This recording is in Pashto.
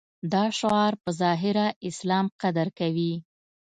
دا شعار په ظاهره اسلام قدر کوي.